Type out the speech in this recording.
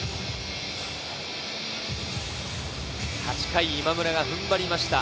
８回、今村が踏ん張りました。